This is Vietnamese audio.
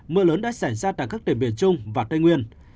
mưa lớn đã xảy ra tại các tỉnh biển trung và tây nguyên